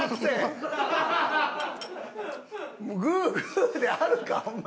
グーグーであるかお前！